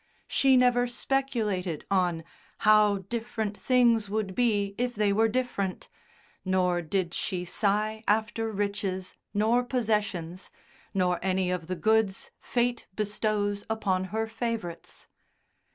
She never speculated on "how different things would be if they were different," nor did she sigh after riches, nor possessions, nor any of the goods Fate bestows upon her favourites.